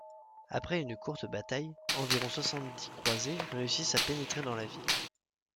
Après une courte bataille, environ soixante-dix croisés réussissent à pénétrer dans la ville.